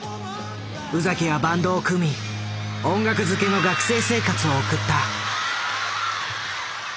宇崎はバンドを組み音楽づけの学生生活を送った。